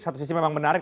satu sisi memang menarik